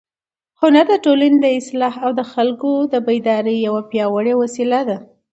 هنر د ټولنې د اصلاح او د خلکو د بیدارۍ یوه پیاوړې وسیله ده.